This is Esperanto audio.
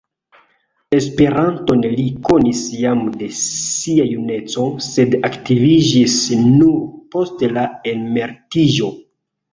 Esperanton li konis jam de sia juneco, sed aktiviĝis nur post la emeritiĝo.